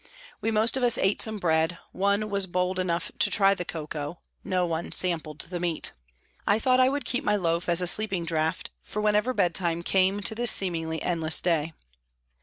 We most of us ate some bread, one was bold enough to try the cocoa, no one sampled the meat. I thought I would keep my loaf as a sleeping draught for whenever bedtime came to this seemingly endless day.